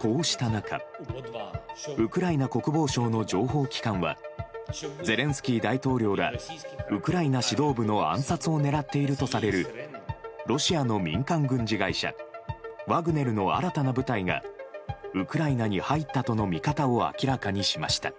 こうした中ウクライナ国防省の情報機関はゼレンスキー大統領らウクライナ指導部の暗殺を狙っているとされるロシアの民間軍事会社ワグネルの新たな部隊がウクライナに入ったとの見方を明らかにしました。